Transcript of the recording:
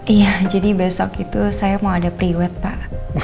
iya jadi besok itu saya mau ada prewet pak